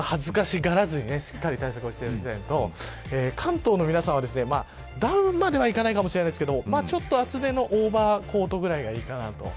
恥ずかしがらずにしっかり対策をしていただきたいのと関東の皆さんはダウンまではいかないかもしれないですけどちょっと厚手のオーバーコート